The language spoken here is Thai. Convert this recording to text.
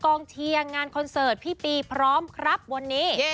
กองเชียร์งานคอนเสิร์ตพี่ปีพร้อมครับวันนี้